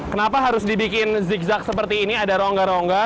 kenapa harus dibikin zigzag seperti ini ada rongga rongga